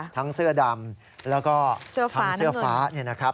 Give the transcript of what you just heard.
ทั้งเสื้อดำแล้วก็เสื้อฟ้า